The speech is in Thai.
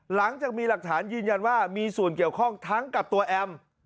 หลังจากมีหลักฐานยืนยันว่ามีส่วนเกี่ยวข้องทั้งกับตัวแอม